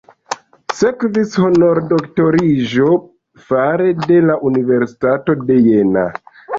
Sekvis honordoktoriĝo fare de la Universitato de Jena.